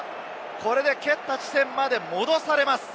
これで蹴った地点まで戻されます。